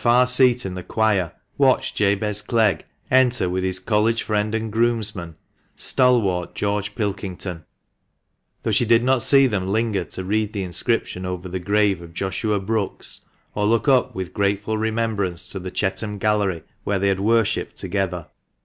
405 far seat in the choir watched Jabez Clegg enter with his college friend and groomsman, stalwart George Pilkington, though she did not see them linger to read the inscription over the grave of Joshua Brookes, or look up with grateful remembrance to the Chetham Gallery, where they had worshipped together.